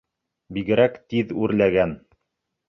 Бигерәк тиҙ үрләгән!